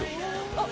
あっ。